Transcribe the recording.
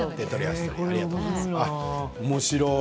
おもしろい。